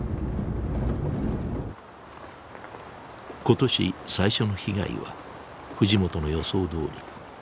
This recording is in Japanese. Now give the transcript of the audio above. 今年最初の被害は藤本の予想どおり阿歴内で起きた。